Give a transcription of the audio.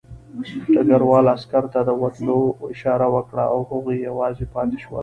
ډګروال عسکر ته د وتلو اشاره وکړه او هغوی یوازې پاتې شول